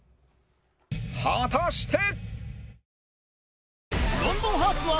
果たして？